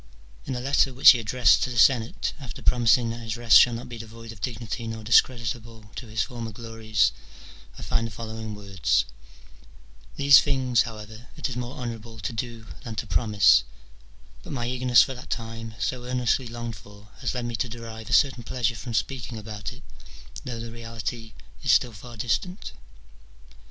In a letter which he addressed to the Senate, after pro mising that his rest shall not be devoid of dignity nor discreditable to his former glories, I find the following words :—" These things, however, it is more honourable to do than to promise : but my eagerness for that time, so earnestly longed for, has led me to derive a certain pleasure from speaking about it, though the reality is still far distant."